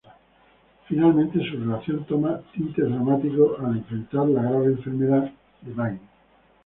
Finalmente su relación toma tintes dramáticos al enfrentar la grave enfermedad de Maggie.